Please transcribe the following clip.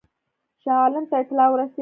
شاه عالم ته اطلاع ورسېده.